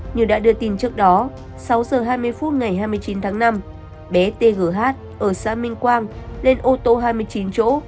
như đã đưa tin trước đó sáu giờ hai mươi phút ngày hai mươi chín tháng năm bé tgh ở xã minh quang lên ô tô hai mươi chín chỗ